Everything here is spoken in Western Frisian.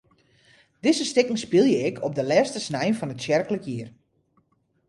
Dizze stikken spylje ik op de lêste snein fan it tsjerklik jier.